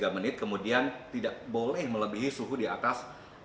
tiga menit kemudian tidak boleh melebihi suhu di atas